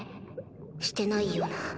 してないような。